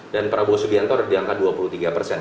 dan prabowo subianto di angka dua puluh tiga persen